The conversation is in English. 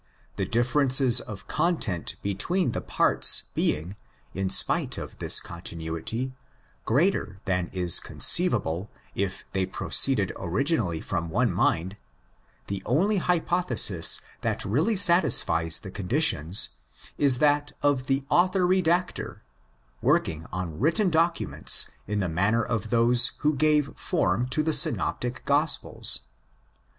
The differences of content between the parts being, in spite of this continuity, greater than is conceivable if they proceeded originally from one mind, the only hypothesis that really satisfies the conditions is that of the '' author redactor,'' working on written docu ments in the manner of those who gave form to the Synoptic Gospels.